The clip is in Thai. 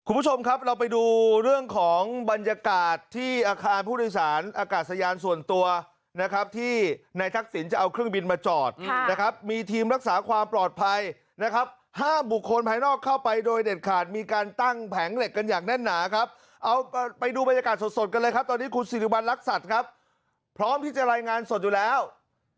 คุณผู้ชมครับเราไปดูเรื่องของบรรยากาศที่อาคารผู้โดยสารอากาศยานส่วนตัวนะครับที่นายทักษิณจะเอาเครื่องบินมาจอดนะครับมีทีมรักษาความปลอดภัยนะครับห้ามบุคคลภายนอกเข้าไปโดยเด็ดขาดมีการตั้งแผงเหล็กกันอย่างแน่นหนาครับเอาไปดูบรรยากาศสดสดกันเลยครับตอนนี้คุณสิริวัณรักษัตริย์ครับพร้อมที่จะรายงานสดอยู่แล้ว